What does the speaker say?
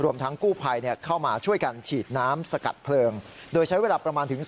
ร่วมทั้งกู้พลายเนี่ยเข้ามาที่กำลังจะชีดน้ำ